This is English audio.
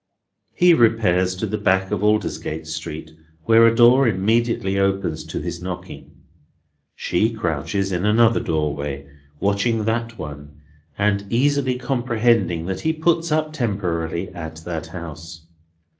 He repairs to the back of Aldersgate Street, where a door immediately opens to his knocking. She crouches in another doorway, watching that one, and easily comprehending that he puts up temporarily at that house.